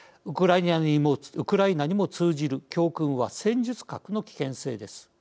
ウクライナにも通じる教訓は戦術核の危険性です。